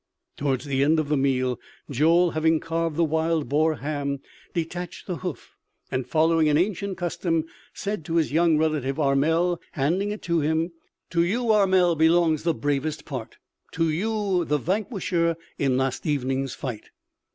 Towards the end of the meal, Joel having carved the wild boar ham, detached the hoof, and following an ancient custom, said to his young relative Armel, handing it to him: "To you, Armel, belongs the bravest part! To you, the vanquisher in last evening's fight!"